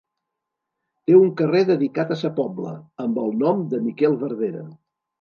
Té un carrer dedicat a sa Pobla, amb el nom de Miquel Verdera.